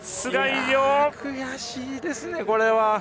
悔しいですね、これは。